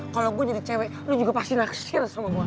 kalau gue jadi cewek lu juga pasti naksir sama gue